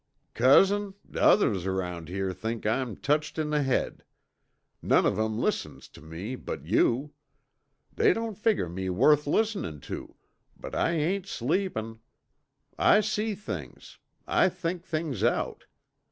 "Cousin, t'others around here think I'm tetched in the head. None of 'em listens tuh me but you. They don't figger me worth listenin' to, but I ain't sleepin'. I see things, I think things out.